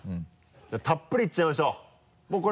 たっぷりいっちゃいましょう